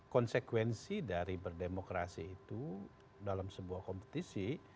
konsekuensi dari berdemokrasi itu dalam sebuah kompetisi